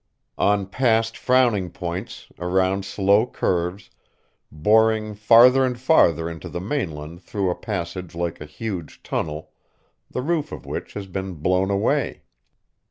On past frowning points, around slow curves, boring farther and farther into the mainland through a passage like a huge tunnel, the roof of which has been blown away.